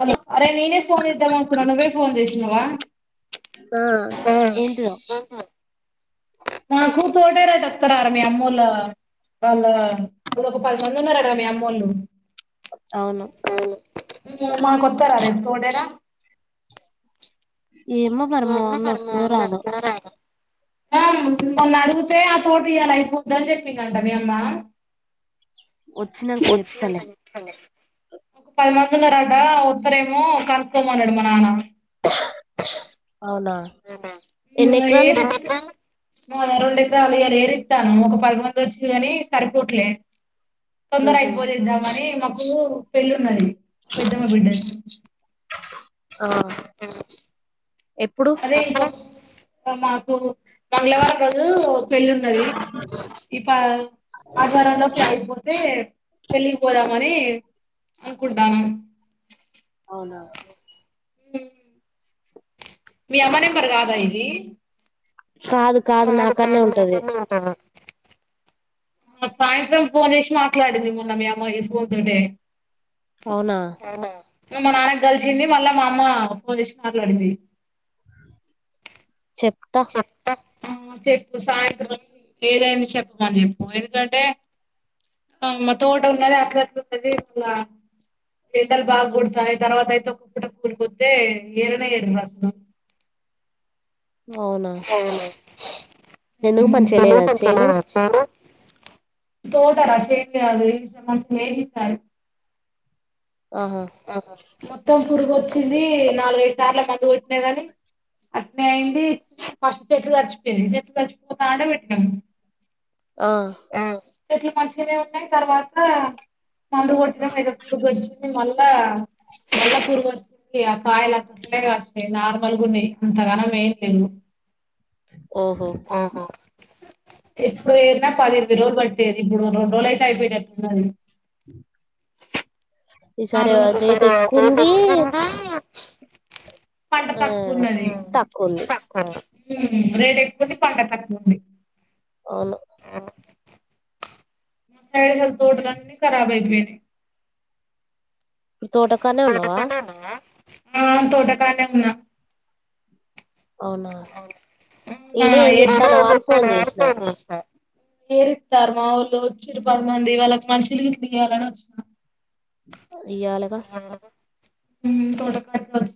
Hello అరే నేనే phone చేద్దామనుకున్న నువ్వే ఫోన్ చేసినవా ఆ ఆ నాకూ తోటేరాట ఒత్తరా రా మీ అమ్మోల్ల వాళ్ళ ఊరొక పది మంది ఉన్నారటగ మీ అమ్మోళ్ళు అవును మాకు ఒత్తరారే తోటేరా మీ మమ్మి కి అడుగు మీ మమ్మి ఒస్తదా రాద మొన్న అడిగితే ఆ తోటి ఇలా అయిపోంద అని చెప్పిందంట మీ అమ్మ ఒ వచ్చ చె ఒక పది మంది ఉన్నారడా వస్తారేమో కనుకోమ అన్నాడు మ నాన్న నువ్వు రెండు ఇంత అాలుగలు ఏరు ఇస్తాను ఒక పది మంది వచ్చిది కాని సరిపోట్లేదు తొందర అయిపోలేద్దామని మాకు పెళ్ళి ఉన్నది మా పెద్దమ్ మా బిడ్డ ఆ అదే ఇో మాకు మంగళవారం రజు పెళ్ళిన్నది ఇప్ప ఆధారంలోకి అయిపోతే పెళ్లిగిపోరామని అ కుంటనా హ మీ అమ్మ నెంబర్ కాదా ఇది కాదు కాదు నాకన్న ఉంటది సాయంత్రం ఫోన్ చేసి మాట్లాడింది మన్న మీ అమ్మాయి ఫోన్ తోటే అవునా మా నాన్నకి కలిసింది మళ్ళా మా అమ్మ ఫోన్ చేసి మాట్లాడింది చెప్తా ఆ చెప్పు సాయంత్రం ఏదైనా చెప్పమని చెప్పు ఎందుకంటే మత్త ఓట ఉన్నే అలులు ఉంటది మ ఎంతలు బాగా కుడతాయి తర్వాత అయితే కుక్కట కూలికతే ఏరనే ఎరసలు అవునా ఎన్న ప చనే రాచ్చనా తోటరా చే అదు ఈ విషయం మంచి మేమిస్తారు మొత్తం పురుగు వచ్చింది నాలుగై సార్లు మందు కొట్టిన కాని అట్నే అయింది ఫస్ట్ చెట్టు తచ్చిపోయయింది చెట్టు తచ్చిపోతాంట పెట్టను ఆ ఎట్లా మంచినే ఉన్నాయి తర్వాత మందు కొట్టడందో పురుగుొచ్చింది మళ్ళా మళ్ళా పురుగుొచ్చింది కాయలు అంతండే వస్తాయి నార్మల్ గున్ని అంతగాన మెయిన్ లేవు ఆహా ఎప్పుడు ఏన్నా ఫది వి రలు పట్టేది ఇప్పుడు రెం రోజులు అయితే అయిపోయినట్టున్నది [inaudible] సరే కేంది పంట తక్కువ ఉన్నది తక్కువ రేడు ఎక్కువంది పంట తక్కువంది అవును చైల్డ్ హెల్ హటలన్ని కరా వైగవనే తోటకానే ఉన్నావా ఆ తోటకాలే ఉన్నా అవునా ఏ ఎ వస స వేరు ఇస్తారు మా వాళ్ళు చిిరుపది మంది వాళ్ళకి మనిషిలు ఇట్ తీయాలని వచ్చిన ఇయ్యలే గా తట కట్ట వస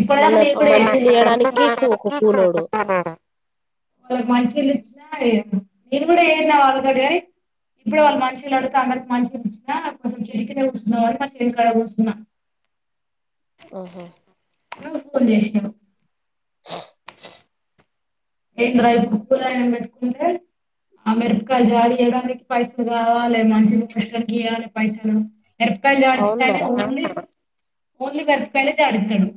ఇప్పుడ వాళ్ళకి మంచిళ్లు ఇచ్చినా నేను కూడా ఏమన్నా వాళ్ళగడ ఇప్పుడు వాళ్ళ మషలు అడుతే అందరికి మంచి వచ్చిన కొంచెం చెరికినే కూర్ున్నాని మ చెరికిడ కూున్నాం ఊహు ఉప్పుడు జేష్నడు [inaudible] ఏంది రా ఇ బుక్కులాయని పెట్కుంటే ఆమెరుపుకాలు జాడీయడానికి పైసలు కావాలె మంచినూనెకెడ గియాలె పైసలు మిరపకాయిల్ జాడిస్తేనే ఉర్ని ఓన్లీ మిరపకాయలే జాడిత్తడు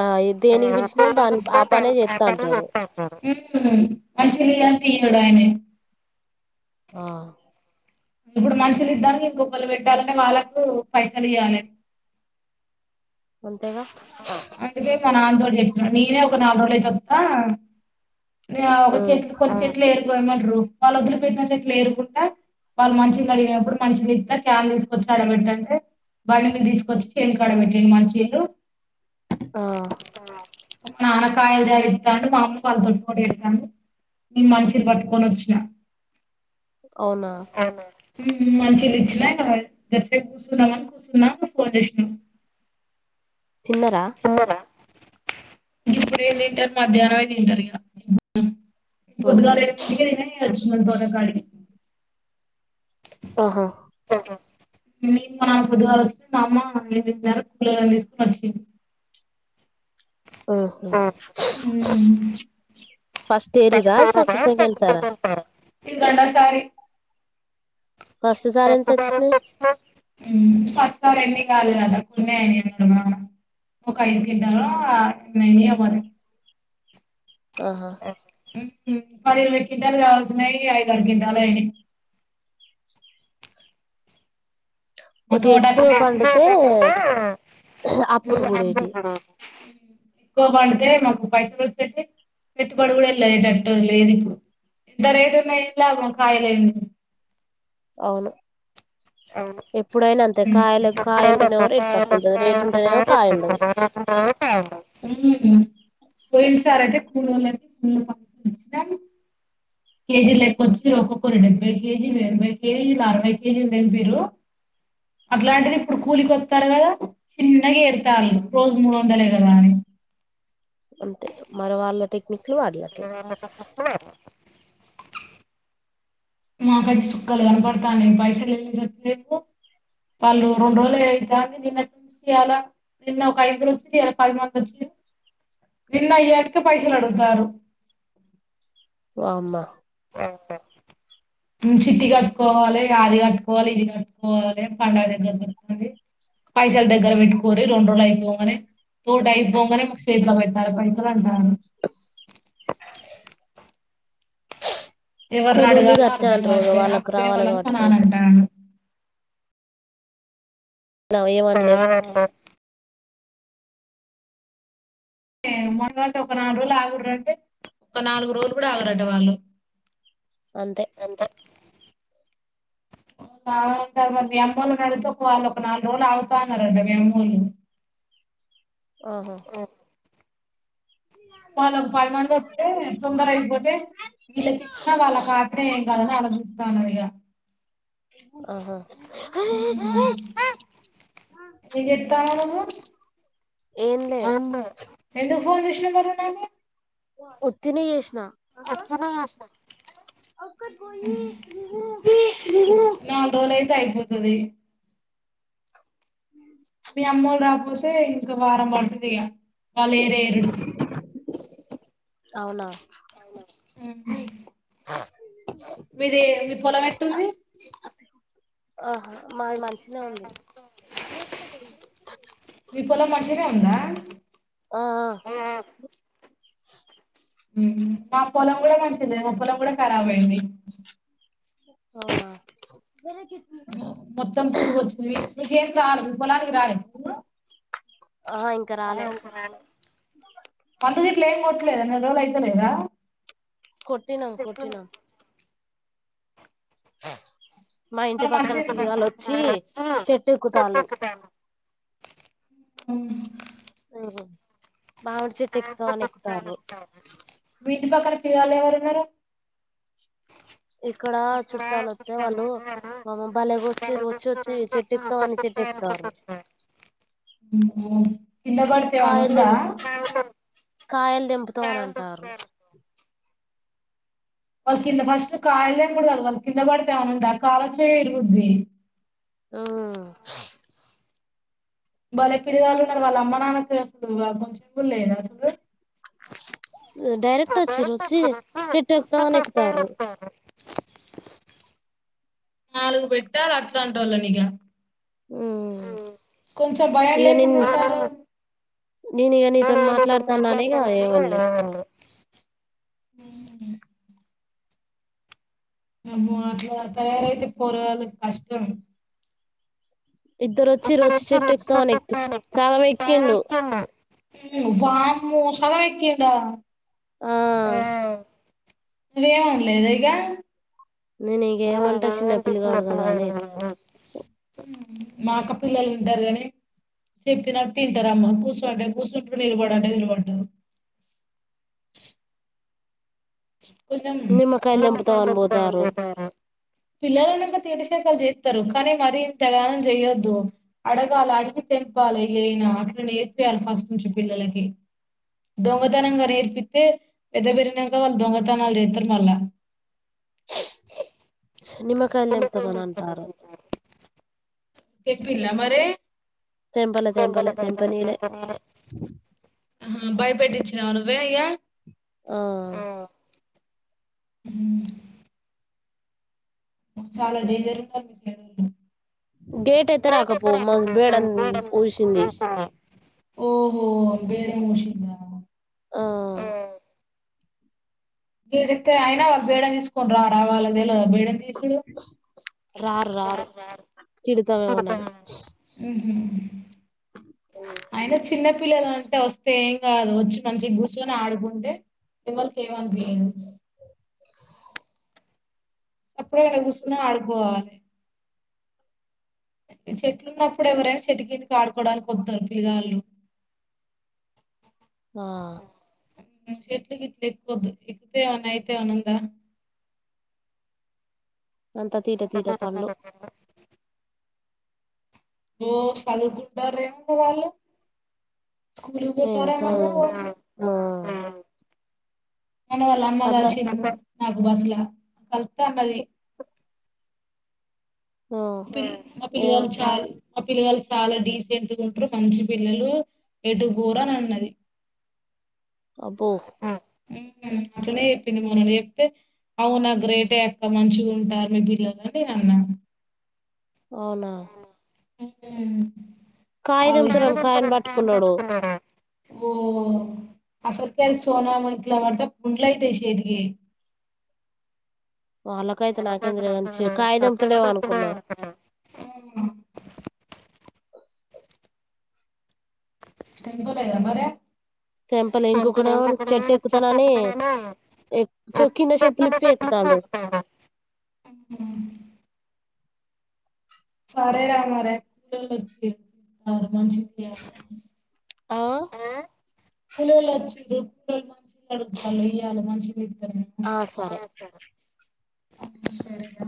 ఆ దేనికి పిలిచినా దాని ఆ పనే చేత్త అంటాడు మంచిగ చెయ్యాలంటే ఈవుడాయనే ఆ ఇప్పుడు మనుషులు ఇద్దానికి ఇంకొకరు పెట్టాలని వాళ్ళకు పైసలు ఇయ్యాలే అందుకే మా నాన్నతోటి చెప్పిన నేనే ఒక నాలుగు రోజులైతే వత్తా ఒక చెట్లు కొన్ని చెట్లు ఎరుకోయమరు వాళ్ళు వదిలి పెట్టిన చెట్లేరుకుంటా వాళ్ళు మంచి గడిగినప్పుడు మంచిగిత్త క్యాన్ తీసుకొచ్చి ఆడబెట్టంటే బండి మీద తీసుకొచ్చి చేన్కాడ పెట్టిండు మంచిలు మాన కాయలు జాడిత్తాండు మామ్మ నేను మంచిగ పట్టుకోనొచ్చిన మ్మ్ మంచిగతెచ్చినా ఇంక దసే కూసున్నామని కూసున్నా నువ్వు ఫోన్ చేషినవ్ చిన్నరా ఇప్పుడేం తింటారు మధ్యాహ్నమే తింటరిగ పొద్దుగాల ఎనిమిందింటికే నిన్ననే వచ్చినాడు దొర్రకాడిమి ఆహా నిన్న పొద్దిగాల వస్తుండామా [unintelligible] తీసుకొని వచ్చిండు మ్మ్ ఇది రొండోసారి దస్ సార్ ఎంతొచ్చినై టాల్లుగాన్న కున్నాయనేనా ఒకైదు కింటాలో నైనియో మరి ఆహా పది వ కిింటాల్ గావల్సనయ్ అయిదారు కింటాలనై [inaudible] మా తోటకు [inaudible] ఎక్కువ బండితే మాకు పైసలు వచ్చేట్ పెట్టుబడు గుడా లేదట్టు లేదు ఇప్పుడు ఎంతరేదున్న ఏంగావ కాయలిన్ అవును ఎప్పుడైనా అంతే కాయలు కాయుంటేనేవ రేటు తక్కువ ఉండదు రేటు ఉంటేనేమో కాయ ఉండదు పో ప్యాండో కేజీ లెక్కొచ్చినై ఒక్కొక్కరి ఐదు కేజీలు ఎనభై కేజీల్ అరవై కేజీలు తెంపిర్రు అట్లాంటిది ఇప్పుడు కూలికొస్తారు గదా చిన్నగా ఏరుతాల్లు రోజు మూడొందలే గదా అని అంతే మర వాళ్ళ టెక్నిక్లు వాడి అకే మాకైతే చుక్కలు కనపడతానయ్ పైసలు [inaudible] ఏలేవు వాళ్ళు రొండు రోజులు అయితాంది నిన్నట్ట్నించి ఇయాల నిన్న ఒక ఐదురు వచ్చురు ఇయాల పదిమంది వచ్చిర్ నిన్న అయ్యేట్క పైసలు అడుగుతారు వామ్మ [unintelligible] నేన్ చిట్టి కట్టుకోవాలె అది కట్టుకోవాలె ఇది కట్టుకోవాలె పండుగ దగ్గర కొస్తునది. పైసలు దగ్గర పెట్టుకోరి రెం రోజు అయిపోగాంనే తోట అయిపోంగానే [unintelligible] ట్ లో పెట్టారు పైస ప్ ఎవర్ని అడగాలో అర్ధం కావట్లేదు అప్పుదేవాలని మా నాన్న అంటాండు. నవ్ ఏం అన్లేం. మొన్న అంటే ఒక నాలుగు రోజులు ఆగుర్రి అంటే ఒక నాలుగు రోజులు కూడా ఆగరంటే వాళ్ళు అంతే ఓ కాదు అక్క మీ అమ్మోలని అడిగితే ఒక వాళ్ళు ఒక నాలుగు రోజులు ఆగుతా అన్నారంట మీ అమ్మోల్లు ఆహు వాల్లోక పదిమంది ఓత్తే తొందర ఐపోతే వీళ్ళకి ఇచ్చినా వాళ్ళ కాట్నేే ఏం కాదని ఆలోచిస్తాన్నారు ఇగ ఉమ్ ఏదో ప్తాన్నావు. ఏంలే. ఎందుకు ఫోన్ చేస్నావ్ మరి నువ్ నాకు ఒత్తిని చేస్నా ఉత్తినే చేస్నా నాలుగు రోజులైతే అయిపోతది. మీ అమ్మోల్ రాకపోతే ఇంకా వారం పడ్తది ఇక వాళ్ళు ఏరే ఏరుడుకి అవునా ఉమ్ మీది మీ పొలం ఎట్టుంది. ఆహా మాది మంచినే ఉంది. ఆఆ [inaudible] మా పొలం కూడా కాసింది కదా మీ పొలం కూడా కరాబయింది మొత్తం పురుగు వచ్చింది నీ షేత్లో కాదు పొలానికి రాయి ఇంకా కాని మందు గిట్ల ఏమి కొట్లేదా నెల రోజులు అయిత లేదా కొట్టినాం కొట్టినాం మా ఇంటి పక్కన పిగాల్లు వచ్చి చెట్టు ఎక్కుతాలు ఉమ్ ఉమ్ మామిడి చెట్టు ఎక్కుతాము అని ఎక్కుతార్రు. నీ పక్కన పిరగాలు ఎవరున్నారు. ఇక్కడ చుట్టాలు ఒత్తే వాళ్ళు మమ బాలెగొచ్చి రోచెచ్చీ వచ్చి చెట్టుఎక్కుతామని అని చెట్టు ఎక్కుతార్రు. అమ్మో వి కిందబడతే ఏమన్నా ఉందా? వాళ్ళ కింద ఫస్ట్ కాయలుండదు వాళ్ళ కింద పడితే ఏమన్నా ఉందా కాలో చెయ్యో ఇరుగుద్ది. ఆ భలే పిరగాలున్నారు వాళ్ళ అమ్మ నాన్న వస్తే చెప్పు కొంచెం కూడా లేదు అసలు డైరెక్ట్ వచ్చిర్రు వచ్చి చెట్ ఎక్తామని ఎక్తార్రు. నాలుగు పెట్టాలి అట్లాంటి వాళ్ళని ఇగ ఉమ్ కొంచె భయం లేకుండా ఆ ఆ నేను ఇక నీతో మాట్లాడ్తాన్నాని ఇగ ఏమనలేదు. [inaudible] అమ్మో అట్లా తయారైతే పోరగాళ్ళు కష్టం ఒకరొచ్చి రోచ్ చెట్టు ఎక్కుతా అని ఒకరెక్కిండు ఉమ్ వాన్ మోషాల ఎక్కిండా ఒ నువ్వేమన్లేదా ఇగ నేను ఇక ఏమంటా చిన్న పిల్లగాడు కదా అనే మా అక్క పిల్లలు ఉంటారు కాని చెప్పినట్టు వింటారమ్మా కూర్చంటే కూర్చుంటు నిలబడంటే నిలబడ్డారు [inaudible] కొ పి [inaudible] లెక్క చేస్తారు కానీ మరి ఇంతగానం చేయొద్దు అడగాల అడిగి తెలుసుకోవాల ఏవైన ఇట్లు నేర్పియాలె ప్రస్ట్ నుంచి పిల్లలకి దొంగతనంగా నేర్పిిత్తె పెద్ద బెరినంగా గ దొంగతనాల్ చేస్తారు. మళ్ళ మల్ల [unintelligible] తెస్తారు చెప్పిళ్ళ మరే చెంటలే చెంటలే చెంటల అ బయపెట్టించినావ్ నువ్వే అయ్యా ఆ అ చాల డేంజర్ చేడం గేట్ అయితే రాకపో మాకు వేడని పోసింది ఒ బేడం పూషింద ఆ తిడితే అయినా వా బేడ తీసుకుని రా రావాల గేలో బేడ తీసుడు మ్ ఆయన చిన్న పిల్లలంటే వస్తే ఏం కాదు వచ్చి మంచి కూర్చొని ఆడుకుంటే ఎవల్ తేవాంకి అప్పుడుేగుసున్నా అడుకోవాలి చెట్లు ఉన్నప్పుడు ఎవరైనా చెట్టి కిందకి ఆడుకోవడానికి వద్దారు ఫిగాళ్ళు ఆ చెట్లకి ఇట్లా ఎక్కువ ఎక్కుతే అన్నా అయితే అనుందా అంత తీట తీట పనులు ఓ చదుకుంటరేమో వాళ్ళు స్కూల్కు పోతార నాన్న వాళ్ళ అమ్మ కలిసి నాకు బస్సలా కలితా అన్నది మ పిల్లిగారు చాల మా పిల్లగాలు చాలా డీసెంట్ ఉంట్రు మంచి పిల్లలు ఎటు పోరు అని అన్నది అబ్బో అక్కనే చెప్పింది మోన్న చెప్తె అవునా గ్రేటే అక్క మంచిగా ఉంటారు మీ పిల్లలునిే అన్నా అవున [inaudible] ఓ అసల్ సోన మట్ల మరిత కుండ్ల ఐతయి శేతిగి వాళ్ళకైతే నాకేంద్రగా నుంచి కాగిదంతడేమో అనుకున్నా ఆ టెంపులేద మరి టెంపలె ఇంకొక్కనేమ చెట్ ఎక్కుతానని ఎ చెట్ కింద చుప్పులిప్పిి ఎక్కు తాండు సరే రా మా రే [unintelligible] ఉమ్ డుగులో ఇాయాలె మంచిగ సరే రా